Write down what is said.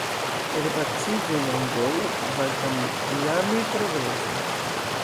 Repaciĝo en Angolo, kvankam lame, progresas.